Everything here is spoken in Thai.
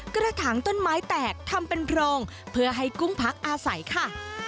กระถางต้นไม้แตกทำเป็นโพรงเพื่อให้กุ้งพักอาศัยค่ะ